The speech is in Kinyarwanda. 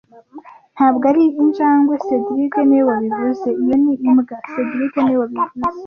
Ntabwo ari injangwe cedric niwe wabivuze Iyo ni imbwa cedric niwe wabivuze